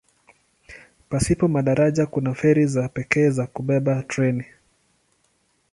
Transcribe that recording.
Pasipo madaraja kuna feri za pekee za kubeba treni.